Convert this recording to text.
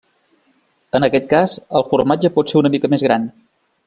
En aquest cas, el formatge pot ser una mica més gran.